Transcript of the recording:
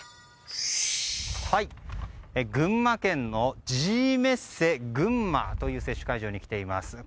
群馬県のｇメッセ群馬という接種会場に来ています。